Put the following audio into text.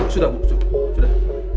sudah bu sudah